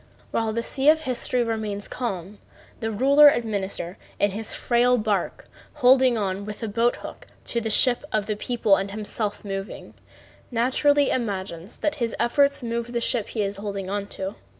While the sea of history remains calm the ruler administrator in his frail bark, holding on with a boat hook to the ship of the people and himself moving, naturally imagines that his efforts move the ship he is holding on to.